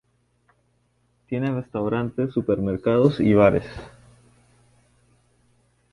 Tiene restaurantes, supermercados y bares.